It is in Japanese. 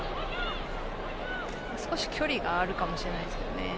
少し距離があるかもしれないですけどね。